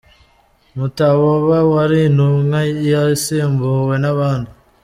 Mutaboba wari intumwa yasimbuwe nabandi